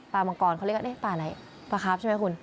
มังกรเขาเรียกว่าปลาอะไรปลาคาร์ฟใช่ไหมคุณ